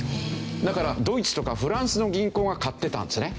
だからドイツとかフランスの銀行が買ってたんですね。